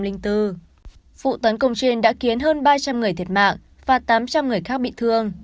vụ tấn công trên đã khiến hơn ba trăm linh người thiệt mạng và tám trăm linh người khác bị thương